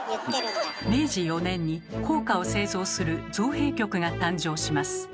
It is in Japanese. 明治４年に硬貨を製造する造幣局が誕生します。